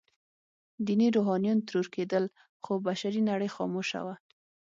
ديني روحانيون ترور کېدل، خو بشري نړۍ خاموشه وه.